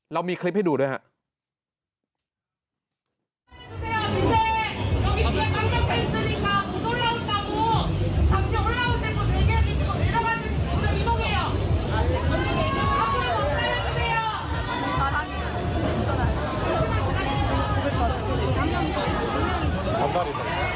เรามีคลิปให้ดูด้วยครับ